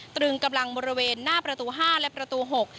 ตรึงกำลังบริเวณหน้าประตู๕และประตู๖